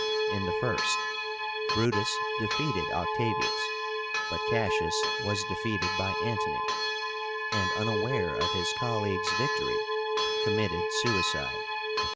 In the first, Brutus defeated Octavius; but Cassius was defeated by Antony, and, unaware of his colleague's victory, committed suicide.